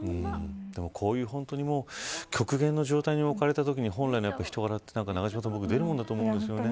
でも、こういう極限の状態に置かれたときに本来の人柄って出るものだと思うんですよね。